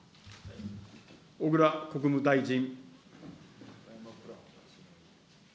小倉国務大臣。